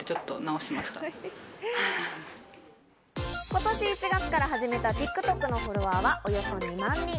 今年１月から始めたＴｉｋＴｏｋのフォロワーはおよそ２万人。